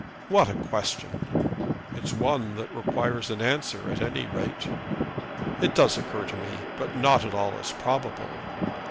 "What a question!" "It's one that requires an answer, at any rate." "It does occur to me; but not at all as probable."